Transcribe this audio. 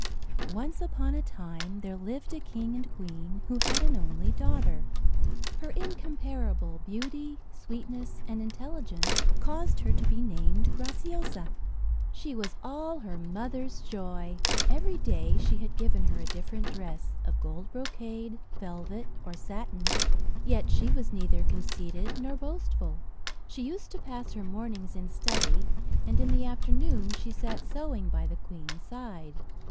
Once upon a time there lived a king and queen, who had an only daughter. Her incomparable beauty, sweetness, and intelligence caused her to be named Graciosa. She was all her mother's joy. Every day she had given her a different dress, of gold brocade, velvet, or satin; yet she was neither conceited nor boastful. She used to pass her mornings in study, and in the afternoon she sat sewing by the queen's side.